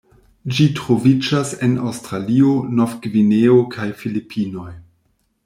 Ĝi troviĝas en Aŭstralio, Nov-Gvineo kaj Filipinoj.